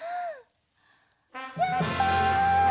やった！